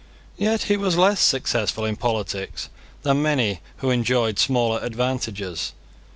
Yet he was less successful in politics than many who enjoyed smaller advantages.